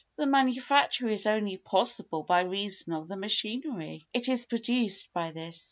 The manufacture is only possible by reason of the machinery; it is produced by this.